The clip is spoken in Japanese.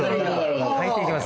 入っていきますんで。